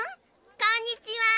こんにちは。